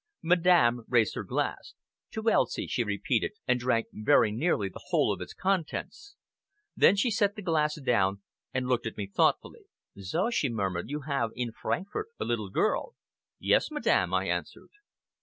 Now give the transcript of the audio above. Madame raised her glass. "To Elsie!" she repeated, and drank very nearly the whole of its contents. Then she set the glass down and looked at it thoughtfully. "So," she murmured, "you have in Frankfort a little girl?" "Yes, Madame!" I answered.